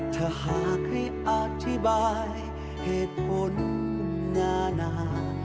ถ้าหากให้อธิบายเหตุผลนานา